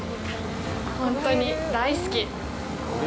本当に大好き。